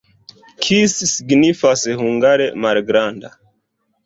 Kis signifas hungare malgranda.